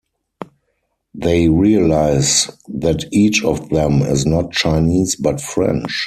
They realize that each of them is not Chinese, but French.